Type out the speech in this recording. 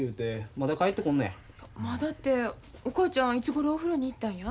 まだてお母ちゃんいつごろお風呂に行ったんや？